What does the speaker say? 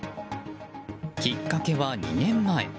きっかけは、２年前。